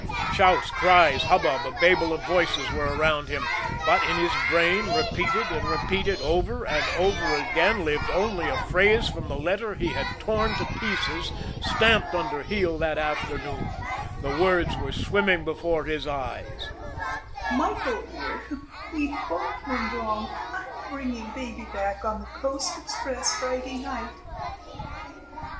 Shouts, cries, hubbub, a babel of voices were around him, but in his brain, repeated and repeated over and over again, lived only a phrase from the letter he had torn to pieces, stamped under heel that afternoon the words were swimming before his eyes: "Michael, dear, we've both been wrong; I'm bringing baby back on the Coast Express Friday night."